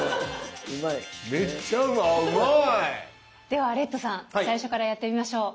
ではレッドさん最初からやってみましょう。